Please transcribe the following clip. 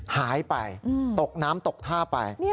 หายไปตกน้ำตกท่าไป